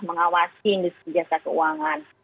mengawasi industri jasa keuangan